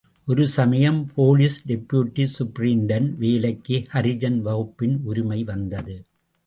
ஒரு சமயம் police deputy superintendent வேலைக்கு ஹரிஜன் வகுப்பின் உரிமை வந்தது.